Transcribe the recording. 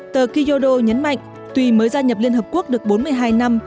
tờ kyodo nhấn mạnh tùy mới gia nhập liên hợp quốc được bốn mươi hai năm